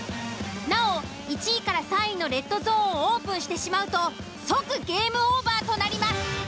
なお１位３位のレッドゾーンをオープンしてしまうと即ゲームオーバーとなります。